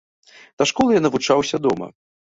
Да школы ён навучаўся дома.